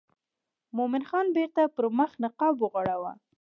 مومن خان بیرته پر مخ نقاب وغوړاوه.